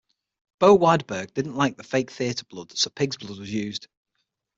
Bo Widerberg didn't like the fake theater blood so pigs blood was used.